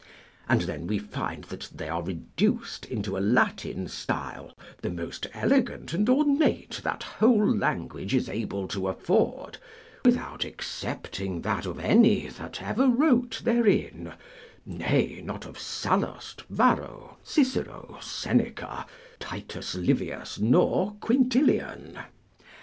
And then we find that they are reduced into a Latin style the most elegant and ornate that whole language is able to afford, without excepting that of any that ever wrote therein, nay, not of Sallust, Varro, Cicero, Seneca, Titus Livius, nor Quintilian.